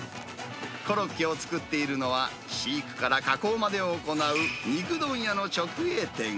コロッケを作っているのは、飼育から加工までを行う肉問屋の直営店。